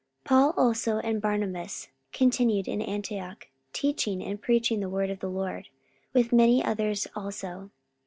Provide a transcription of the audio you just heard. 44:015:035 Paul also and Barnabas continued in Antioch, teaching and preaching the word of the Lord, with many others also.